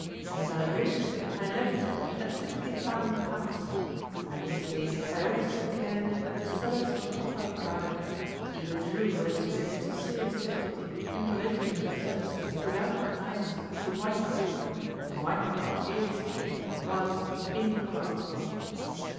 In the valuation I reckoned them at sixty thousand pounds. And I may say that I always took care that the cellars were properly guarded. Even Jules would experience a serious difficulty in breaking into the cellars without the connivance of the wine clerk, and the wine clerk is, or was, incorruptible.